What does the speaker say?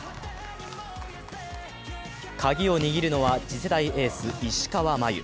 鍵を握るのは、次世代エース・石川真祐。